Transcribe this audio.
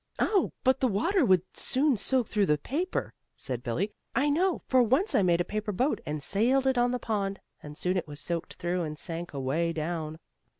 "Oh, but the water would soon soak through the paper," said Billie. "I know, for once I made a paper boat, and sailed it on the pond, and soon it was soaked through, and sank away down."